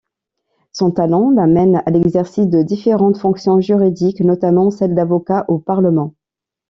Son talent l'amène à l'exercice de différentes fonctions juridiques notamment celle d'avocat au Parlement.